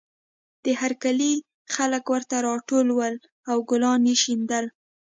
د هر کلي خلک ورته راټول وو او ګلان یې شیندل